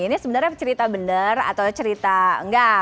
ini sebenarnya cerita benar atau cerita enggak